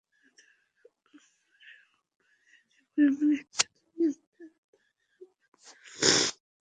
অতএব, আমার সম্পদের যে পরিমাণ ইচ্ছে, তুমি আমার কাছে চেয়ে নাও।